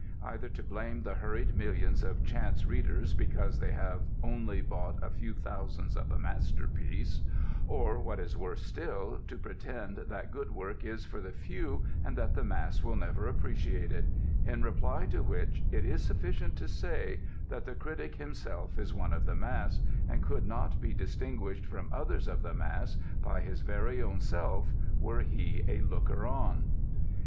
Either to blame the hurried millions of chance readers because they have only bought a few thousands of a masterpiece; or, what is worse still, to pretend that good work is for the few and that the mass will never appreciate it in reply to which it is sufficient to say that the critic himself is one of the mass and could not be distinguished from others of the mass by his very own self were he a looker on.